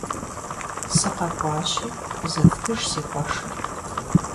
СыкъэкӀуащи, къызэфтыж си къуэшыр.